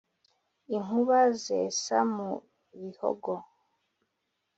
Inkuba zesa mu Bihogo,